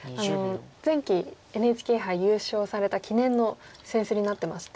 前期ＮＨＫ杯優勝された記念の扇子になってまして。